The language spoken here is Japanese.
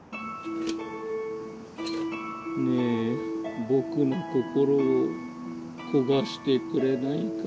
ねえぼくの心をこがしてくれないかい？